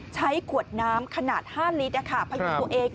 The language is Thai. ใช้ขวดน้ำขนาด๕ลิตรพยุงตัวเอง